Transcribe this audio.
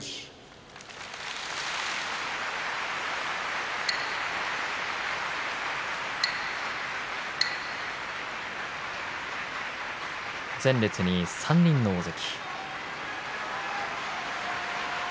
拍手前列に３人の大関。